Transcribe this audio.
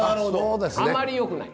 あまりよくない。